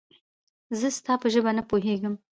زه ستا په ژبه نه پوهېږم